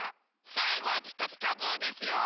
さいごは「ピカピカブ！」ですよ！